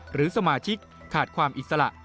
หรือสมาชิกขาดความอิสระ